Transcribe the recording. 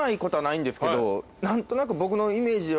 何となく。